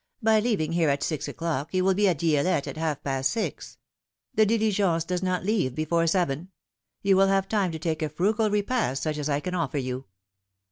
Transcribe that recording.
" By leaving here at six o'clock you will be at Di^lette at half past six ; the diligence does not leave before seven. You will have time to take a frugal repast such as I can offer you."